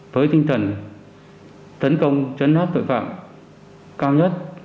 với tinh thần tấn công chấn áp tội phạm cao nhất